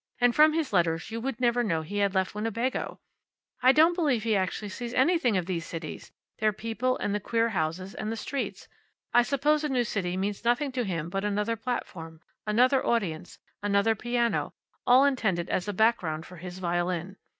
And from his letters you would never know he had left Winnebago. I don't believe he actually sees anything of these cities their people, and the queer houses, and the streets. I suppose a new city means nothing to him but another platform, another audience, another piano, all intended as a background for his violin.